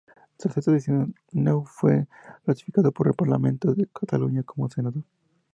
Tras estas elecciones, Nuet fue ratificado por el Parlamento de Cataluña como senador.